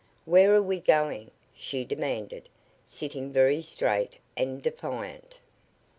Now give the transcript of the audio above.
"Where are we going?" she demanded, sitting very straight and defiant.